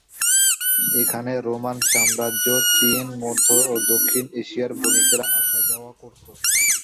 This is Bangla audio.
এখানে রোমান সাম্রাজ্য, চীন, মধ্য ও দক্ষিণ এশিয়ার বণিকেরা আসা-যাওয়া করত।